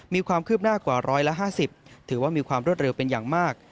มีความคืบหน้ากว่า๑๕๐ถือว่ามีความรวดเร็วเป็นอย่างมาก